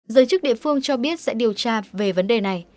giới chức địa phương cho biết sẽ điều tra về vấn đề này